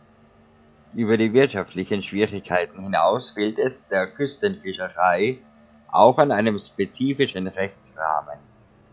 Über die wirtschaftlichen Schwierigkeiten hinaus fehlt es der Küstenfischerei auch an einem spezifischen Rechtsrahmen.